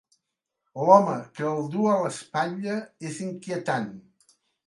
L'home que el du a l'espatlla és inquietant.